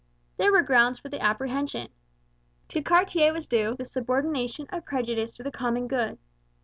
There were grounds for the apprehension. To Cartier was due the subordination of prejudice to the common good.